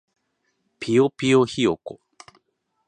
ぴよぴよひよこ